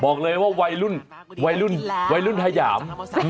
บอกเลยว่าวัยรุ่นวัยรุ่นวัยรุ่นฮาหย่าม